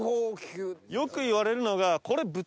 よく言われるのが。